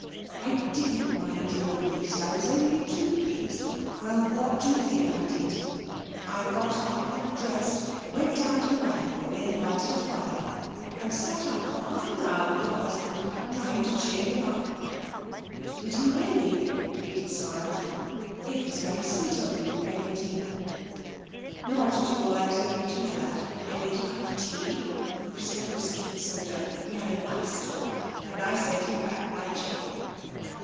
'I didn't mind in the least. I was only too pleased. Well, what do you think I did? I got up and dressed, went down to the library and lighted the fire, and sat up for half an hour with your husband trying to cheer him up!' 'Did you really?' Edith smiled. 'It was very sweet of you, Eglantine.' 'Not at all; I was only too glad. I made a cup of tea, Bruce had a whisky and soda, we had a nice talk, and I sent him back quite cheerful.